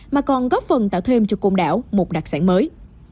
mà còn góp phần tạo thêm cho côn đảo một đặc sản mới